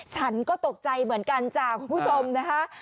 ฉันก็ตกใจเหมือนกันจ้ะคุณผู้ชมนะคะ